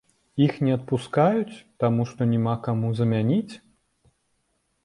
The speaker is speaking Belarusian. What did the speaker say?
Іх не адпускаюць, таму што няма каму замяніць?